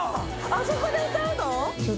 あそこで歌うの？